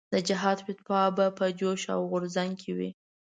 د جهاد فتوا به په جوش او غورځنګ کې وي.